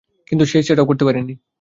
কিন্তু সে সেটাও করতে পারেনি।